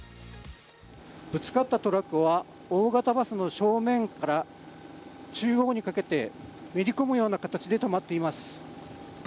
ぶつかったトラックは大型バスの正面からめり込むような形で止まっています。